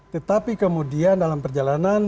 tetapi kemudian dalam perjalanan